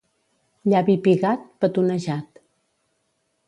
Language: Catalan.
Llavi pigat, petonejat.